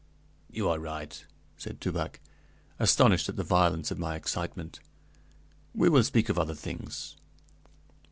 "You are right," said Toubac, astonished at the violence of my excitement. "We will speak of other things.